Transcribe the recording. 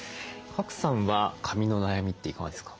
賀来さんは髪の悩みっていかがですか？